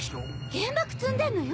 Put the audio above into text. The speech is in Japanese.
原爆積んでんのよ？